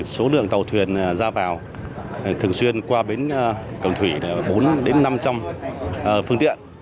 số lượng tàu thuyền ra vào thường xuyên qua bến cầm thủy là bốn năm trăm linh phương tiện